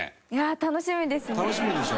楽しみですね。